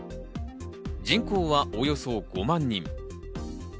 人口はおよそ５万人。